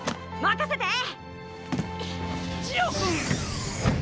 ジオ君！